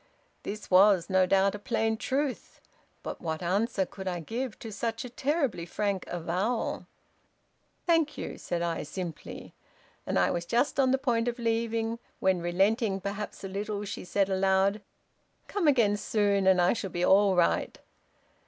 This was, no doubt, a plain truth; but what answer could I give to such a terribly frank avowal? 'Thank you,' said I, simply; and I was just on the point of leaving, when, relenting, perhaps, a little, she said aloud, 'Come again soon, and I shall be all right.'